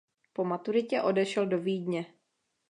Po maturitě odešel do Vídně.